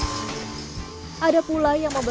ada pula yang memotong bilah demi bilah batang bambu